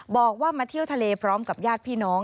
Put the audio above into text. บอกว่ามาเที่ยวทะเลพร้อมกับญาติพี่น้อง